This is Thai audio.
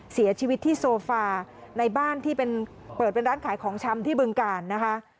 เสียชีวิตที่โซฟาในบ้านที่เป็นเปิดเป็นร้านขายของชำที่บึงกาลนะคะ